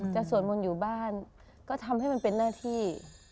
สวดมนต์อยู่บ้านก็ทำให้มันเป็นหน้าที่